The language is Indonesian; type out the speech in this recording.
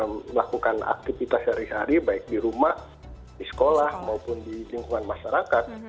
mereka melakukan aktivitas sehari hari baik di rumah di sekolah maupun di lingkungan masyarakat